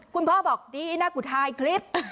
คุณพ่อบอกดีนะกูถ่ายคลิป